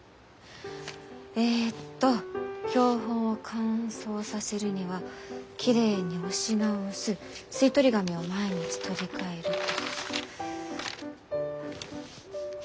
えっと標本を乾燥させるにはきれいに押し直す吸い取り紙を毎日取り替えると。